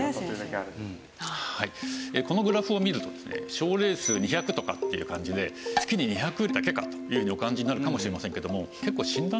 症例数２００とかっていう感じで月に２００だけかというふうにお感じになるかもしれませんけども。